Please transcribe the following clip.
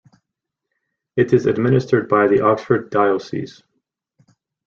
It is administered by the Oxford Diocese.